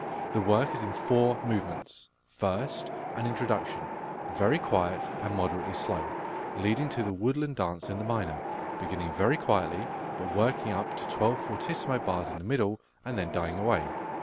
The work is in four movements. First, an introduction, very quiet and moderately slow, leading to the "Woodland Dance" in the minor, beginning very quietly, but working up to twelve ff bars in the middle, and then dying away.